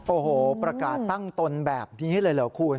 โอ้โหประกาศตั้งตนแบบนี้เลยเหรอคุณ